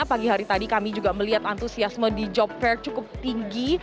pagi hari tadi kami juga melihat antusiasme di job fair cukup tinggi